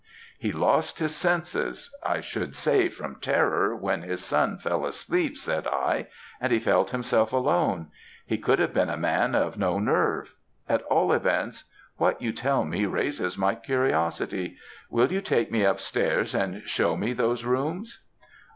"'He lost his senses, I should say, from terror when his son fell asleep,' said I, 'and he felt himself alone. He could have been a man of no nerve. At all events, what you tell me raises my curiosity. Will you take me up stairs and shew me those rooms?'